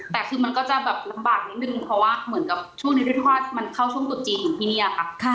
แต่คือมันก็จะแบบลำบากนิดนึงเพราะว่าเหมือนกับช่วงนี้ด้วยที่ว่ามันเข้าช่วงตุดจีนของที่นี่ค่ะ